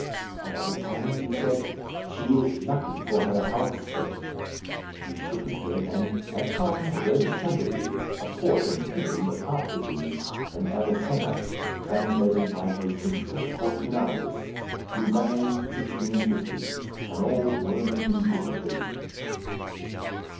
At other times he said, "She is lucky for her health's sake." He shook his head, and at times read attentively a portion treating of heart disease in Aviccunas, translated by Vossiscus Fortunatus, Louvain, 1650, an old worm eaten book of his.